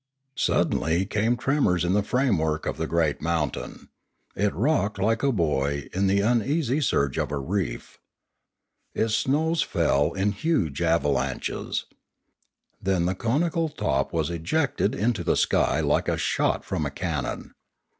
Suddenly came tremors in the framework of the great mountain. It rocked like a buoy in the uneasy surge of a reef. Its snows fell in huge avalanches. 472 Limanora Then the conical top was ejected into the sky like a shot from a cannon.